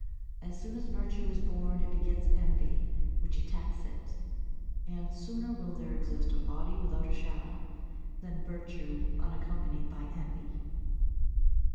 As soon as virtue is born it begets envy which attacks it; and sooner will there exist a body without a shadow than virtue unaccompanied by envy.